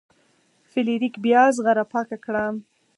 فلیریک بیا زغره پاکه کړه.